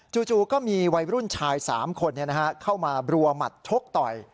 จู่จู่ก็มีวัยรุ่นชายสามคนเนี้ยนะฮะเข้ามาบรัวหมัดชกต่อย